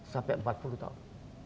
sampai empat puluh tahun